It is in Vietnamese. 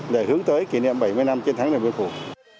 để hướng tới kỷ niệm bảy mươi năm chiến thắng này với cuộc